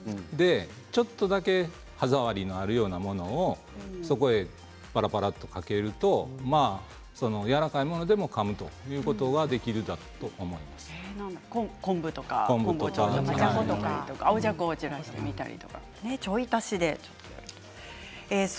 ちょっとだけ、歯触りのあるようなものをそこで、パラパラとかけるとやわらかいものでもかむということが昆布とかねじゃこを散らしたりとかちょい足しですね。